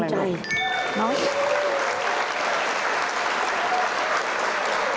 ภูมิใจนะครับ